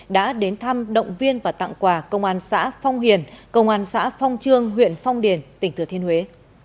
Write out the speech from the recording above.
đã đến thăm động viên và tặng quà công an xã phong hiền công an xã phong trương huyện phong điền tỉnh thừa thiên huế